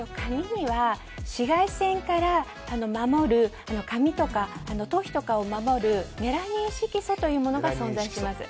紫外線から守る髪とか頭皮とかを守るメラニン色素というものが存在します。